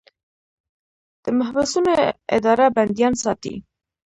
د محبسونو اداره بندیان ساتي